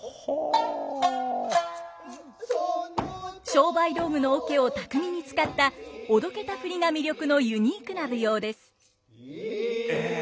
商売道具の桶を巧みに使ったおどけた振りが魅力のユニークな舞踊です。え。